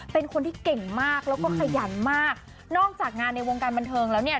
เป็นคนที่เก่งมากแล้วก็ขยันมากนอกจากงานในวงการบันเทิงแล้วเนี่ย